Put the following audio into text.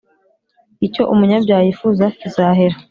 icyo umunyabyaha yifuza kizahera